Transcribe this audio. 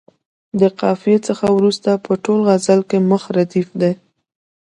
د قافیې څخه وروسته په ټول غزل کې مخ ردیف دی.